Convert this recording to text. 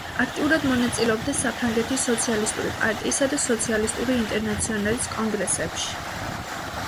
აქტიურად მონაწილეობდა საფრანგეთის სოციალისტური პარტიისა და სოციალისტური ინტერნაციონალის კონგრესებში.